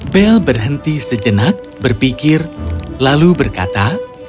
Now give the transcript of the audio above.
bel berhenti sejenak berpikir lalu berkata